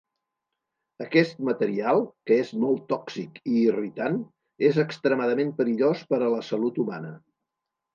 Aquest material, que és molt tòxic i irritant, és extremadament perillós per a la salut humana.